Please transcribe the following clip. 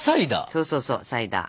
そうそうそうサイダー。